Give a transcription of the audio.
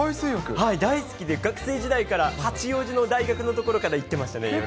大好きで、学生時代から八王子の大学の所から行ってましたね、夜。